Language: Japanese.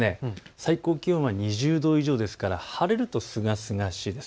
最高気温は２０度以上ですから晴れるとすがすがしいです。